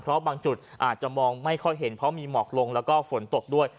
เพราะบางจุดอาจจะมองไม่ค่อยเห็นเพราะมีหมอกลงแล้วก็ฝนตกด้วย